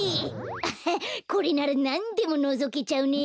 アハッこれならなんでものぞけちゃうね。